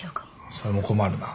それも困るな。